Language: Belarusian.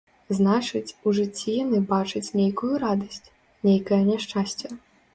Значыць, у жыцці яны бачаць нейкую радасць, нейкае няшчасце.